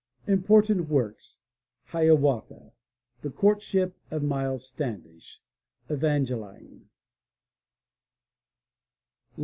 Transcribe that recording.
Important Works: Hiawatha. The Courtship oj Miles Standish. Evangeline.